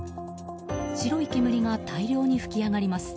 白い煙が大量に噴き上がります。